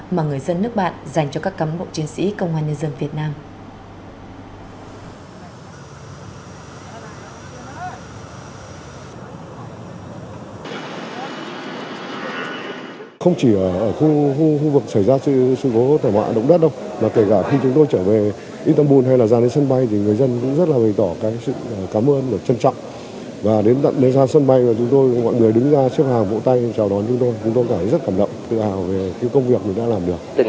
mà người dân nước bạn dành cho các cán bộ chiến sĩ công an nhân dân việt nam